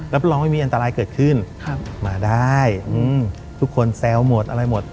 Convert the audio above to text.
รับรองไม่มีอันตรายเกิดขึ้นมาได้ทุกคนแซวหมดอะไรหมด